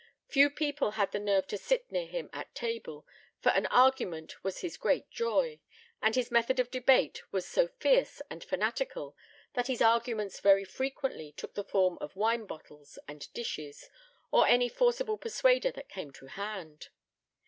Few people had the nerve to sit near him at table, for an argument was his great joy, and his method of debate was so fierce and fanatical that his arguments very frequently took the form of wine bottles and dishes, or any forcible persuader that came to hand.